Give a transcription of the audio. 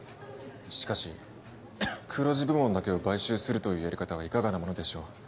しかし黒字部門だけを買収するというやり方はいかがなものでしょう